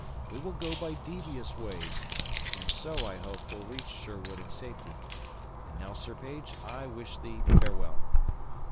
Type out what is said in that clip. We will go by devious ways, and so, I hope, will reach Sherwood in safety. And now, Sir Page, I wish thee farewell."